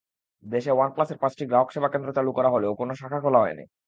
দেশে ওয়ানপ্লাসের পাঁচটি গ্রাহকসেবা কেন্দ্র চালু করা হলেও কোনো শাখা খোলা হয়নি।